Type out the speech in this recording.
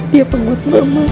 dia penguat mama